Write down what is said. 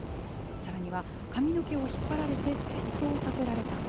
さらには、髪の毛を引っ張られて転倒させられた。